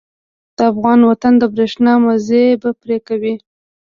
د افغان وطن د برېښنا مزی به پرې کوي.